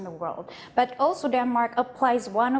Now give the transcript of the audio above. tapi juga denmark menggunakan